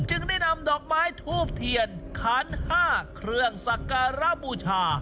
จึงได้นำดอกไม้ทูบเทียนขัน๕เครื่องสักการะบูชา